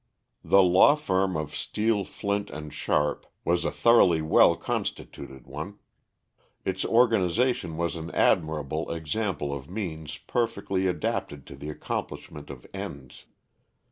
_ The law firm of Steel, Flint & Sharp was a thoroughly well constituted one. Its organization was an admirable example of means perfectly adapted to the accomplishment of ends.